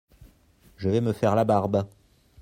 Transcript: Je vais me faire la barbe !